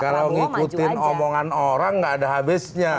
kalau ngikutin omongan orang gak ada habisnya